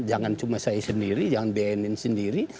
jangan cuma saya sendiri jangan bnn sendiri